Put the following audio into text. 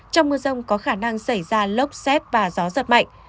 trong mưa rông có khả năng xảy ra lốc xét và gió giật mạnh